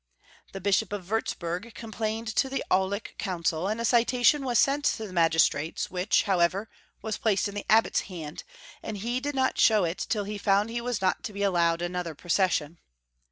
The Bishop of Wurtzburg complained to the Aulic Council, and a citation Avas sent to the magistrates, wliich, however, was placed in the Abbot's hands, and he did not show it tUl he found he was not to be al lowed another procession.